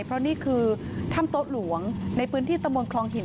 เพราะนี่คือถ้ำโต๊ะหลวงในพื้นที่ตะมนตคลองหิน